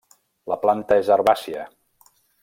La planta és herbàcia.